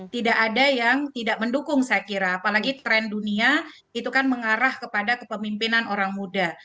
tidak ada yang tidak mendukung saya kira apalagi tren dunia itu kan mengarah kepada kepemimpinan orang muda